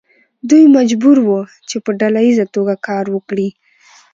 دوی مجبور وو چې په ډله ایزه توګه کار وکړي.